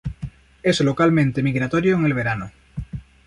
Es localmente migratorio en el verano.